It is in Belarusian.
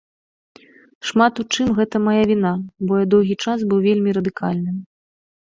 Шмат у чым гэта мая віна, бо я доўгі час быў вельмі радыкальным.